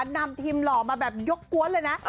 นำทีมหล่อมาแบบยกกวนเลยนะ